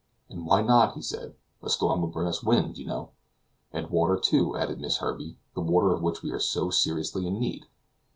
"And why not?" said he; "a storm will bring us wind, you know." "And water, too," added Miss Herbey, "the water of which we are so seriously in need."